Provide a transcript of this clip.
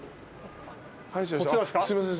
すいません